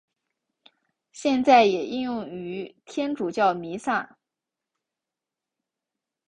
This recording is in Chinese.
现在也应用于天主教弥撒。